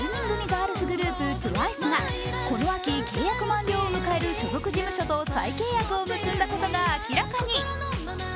ガールズグループ、ＴＷＩＣＥがこの秋、契約満了を迎える所属事務所と再契約を結んだことが明らかに。